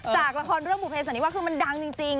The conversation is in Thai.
จากละครเรื่องบุเภสันนิวาคือมันดังจริง